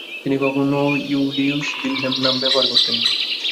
তিনি কখনো ইউলিয়ুস ভিলহেল্ম নাম ব্যবহার করতেন না।